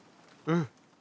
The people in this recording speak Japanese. うん。